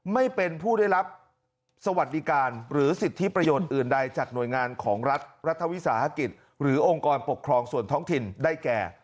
ไม่เป็นผู้ได้รับสวัสดิการหรือสิทธิประโยชน์อื่นใดจากหน่วยงานของรัฐรัฐวิสาหกิจหรือองค์กรปกครองส่วนท้องถิ่นได้แก่